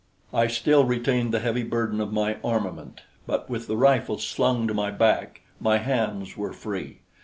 I still retained the heavy burden of my armament; but with the rifle slung to my back, my hands were free.